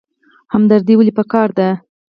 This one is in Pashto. همدردي ولې پکار ده؟